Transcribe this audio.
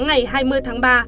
ngày hai mươi tháng ba